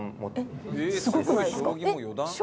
すごくないですか？